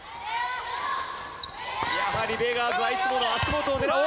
やはりベガーズはいつもの足元を狙う。